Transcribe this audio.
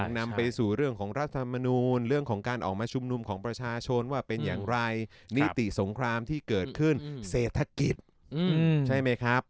นำไปสู่เรื่องของรัฐธรรมนูลเรื่องของการออกมาชุมนุมของประชาชนว่าเป็นอย่างไรนิติสงครามที่เกิดขึ้นเศรษฐกิจใช่ไหมครับ